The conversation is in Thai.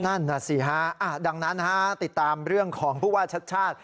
นั่นน่ะสิฮะดังนั้นติดตามเรื่องของผู้ว่าชัดชาติ